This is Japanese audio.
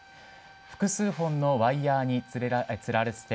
複数本のワイヤーにつられて、